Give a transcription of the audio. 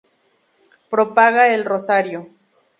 Propaga el Rosario.